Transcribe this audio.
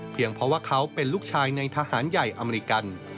เพราะว่าเขาเป็นลูกชายในทหารใหญ่อเมริกัน